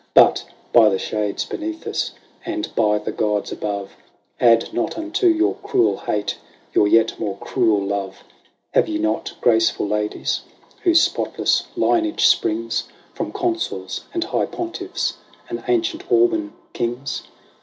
But, by the Shades beneath us, and by the Gods above. Add not unto your cruel hate your yet more cruel love ! Have ye not graceful ladies, whose spotless lineage springs From Consuls, and High Pontiffs, and ancient Alban kings